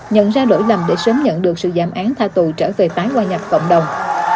nhận ra lỗi lầm để sớm nhận được sự giảm án tha tù trở về tái hòa nhập cộng đồng